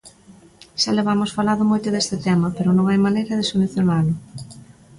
Xa levamos falado moito deste tema, pero non hai maneira de solucionalo.